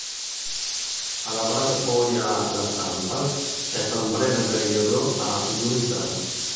Ha lavorato poi a "La Stampa" e per un breve periodo a "l'Unità".